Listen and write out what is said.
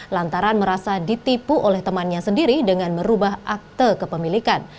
lantaran merasa ditipu oleh temannya sendiri dengan merubah akte kepemilikan